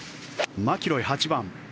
マキロイ、８番。